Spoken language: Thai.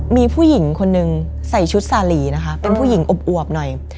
มีผู้หญิงคนนึงใส่ชุดสาหรี่นะคะเป็นผู้หญิงอวบหน่อย